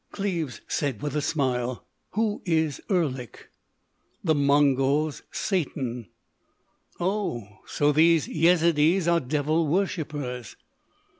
Cleves said with a smile, "Who is Erlik?" "The Mongols' Satan." "Oh! So these Yezidees are devil worshipers!"